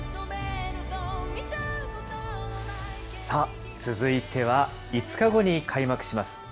さあ、続いては、５日後に開幕します